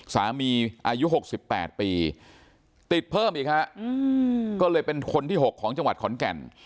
อายุ๖๘ปีติดเพิ่มอีกฮะก็เลยเป็นคนที่๖ของจังหวัดขอนแก่น